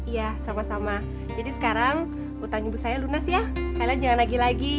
iya sama sama jadi sekarang utang ibu saya lunas ya kalian jangan lagi lagi